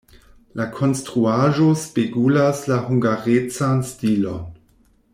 La konstruaĵo spegulas la hungarecan stilon.